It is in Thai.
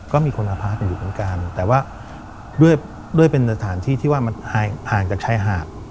ก็มีคนอพาร์ทอยู่เหมือนกันแต่ว่าด้วยเป็นสถานที่ที่ว่ามันห่างจากชายหาด